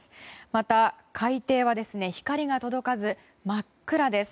また海底は光が届かず真っ暗です。